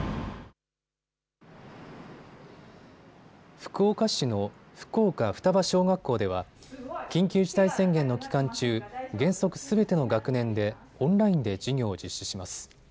福岡市の福岡雙葉小学校では緊急事態宣言の期間中原則すべての学年でオンラインで授業を実施します。